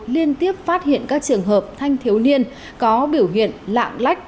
liên tiếp phát hiện các trường hợp thanh thiếu niên có biểu hiện lạng lách